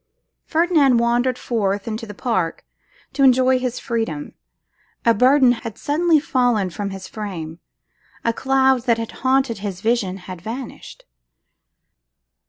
Ferdinand wandered forth into the park to enjoy his freedom. A burden had suddenly fallen from his frame; a cloud that had haunted his vision had vanished.